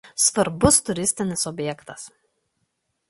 Svarbus turistinis objektas.